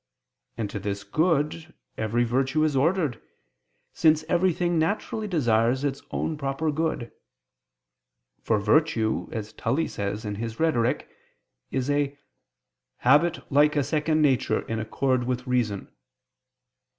And to this good every virtue is ordered, since everything naturally desires its own proper good; for virtue, as Tully says in his Rhetoric, is a "habit like a second nature in accord with reason."